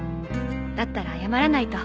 だったら謝らないと。